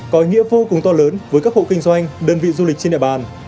có ý nghĩa vô cùng to lớn với các hộ kinh doanh đơn vị du lịch trên địa bàn